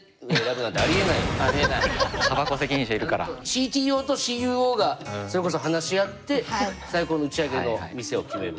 ＣＴＯとＣＵＯがそれこそ話し合って最高の打ち上げの店を決める。